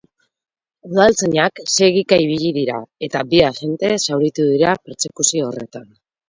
Udaltzainak segika ibili dira eta bi agente zauritu dira pertsekuzio horretan.